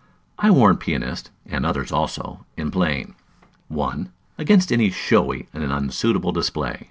_ I warn pianists, and others also, in playing: 1. Against any showy and unsuitable display.